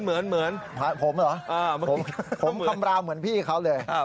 ผมเหรอผมคำรามเหมือนพี่เขาเลยครับฮ่าเมื่อกี้ข้าวเหมือน